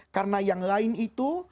karena yang lain itu